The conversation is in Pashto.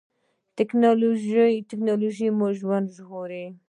ټیکنالوژي مو ژوند ژغوري